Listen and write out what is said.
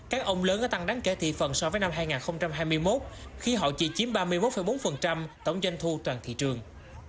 các ông lớn có tăng đáng kể thị phần so với năm hai nghìn hai mươi một khi họ chỉ chiếm ba mươi một bốn tổng doanh thu toàn thị trường